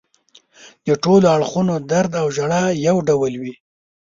د ټولو اړخونو درد او ژړا یو ډول وي.